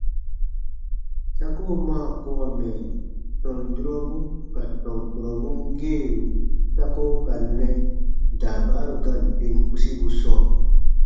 Ta koo maa kowa mɛ̀ tɔn durɔbu ka tɔn kurɔbun geeru ta ko n ka nɛ daabaaru gaan tem pusibu sɔɔ.